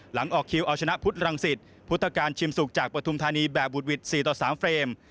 หลังออกคิวอาชนะพุทธรังสิทธิ์พุทธกาลชิมสุกจากปธุมธานีแบบบุตวิทธิ์๔ต่อ๓เฟรม